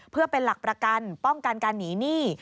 เพื่อเป็นหลักประกันป้องกันการหนีหนี้